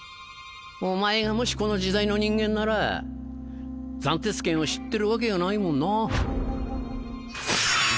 お前がもしこの時代の人間なら斬鉄剣を知ってるわけがないもんな。